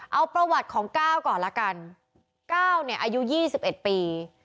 เอาประวัติของก้าวก่อนละกันก้าวเนี่ยอายุ๒๑ปี